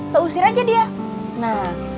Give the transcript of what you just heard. keusir aja dia nah